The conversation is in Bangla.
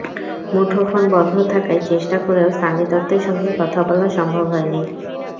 মুঠোফোন বন্ধ থাকায় চেষ্টা করেও সানি দত্তের সঙ্গে কথা বলা সম্ভব হয়নি।